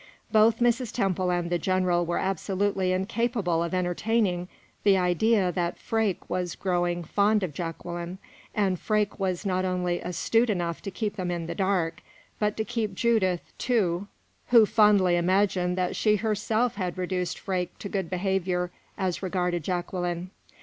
Both Mrs. Temple and the general were absolutely incapable of entertaining the idea that Freke was growing fond of Jacqueline; and Freke was not only astute enough to keep them in the dark, but to keep Judith, too, who fondly imagined that she herself had reduced Freke to good behavior as regarded Jacqueline.